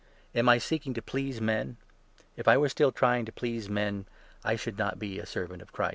Am I ic seeking to please men ? If I were still trying to please men, I should not be a servant of Christ.